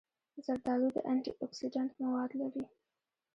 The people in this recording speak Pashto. زردالو د انټي اکسېډنټ مواد لري.